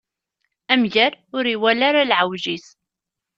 Amger ur iwala ara leɛwej-is.